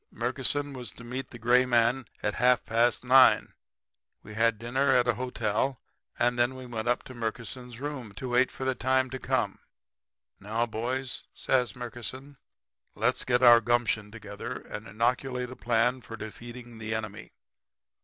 Murkison was to meet the gray man at half past 9. We had dinner at a hotel and then went up to Murkison's room to wait for the time to come. "'Now, boys,' says Murkison, 'let's get our gumption together and inoculate a plan for defeating the enemy.